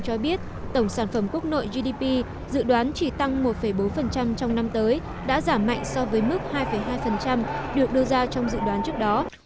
cho biết tổng sản phẩm quốc nội gdp dự đoán chỉ tăng một bốn trong năm tới đã giảm mạnh so với mức hai hai được đưa ra trong dự đoán trước đó